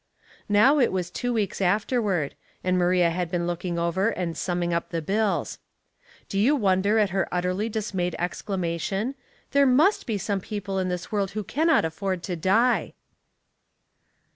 Now it was two weeks afterward, and Maria had been looking over and summing up the bills. Do you wonder at her utterly dismayed exclama tion, " There must be some people in this world who cannot afford to die!